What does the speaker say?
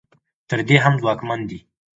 تر دې هم ځواکمن دي.